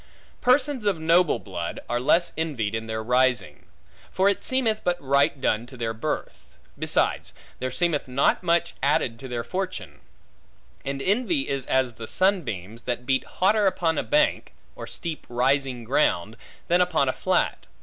Persons of noble blood, are less envied in their rising. For it seemeth but right done to their birth. Besides, there seemeth not much added to their fortune; and envy is as the sunbeams, that beat hotter upon a bank, or steep rising ground, than upon a flat.